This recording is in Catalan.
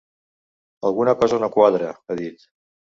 Alguna cosa no quadra, ha dit.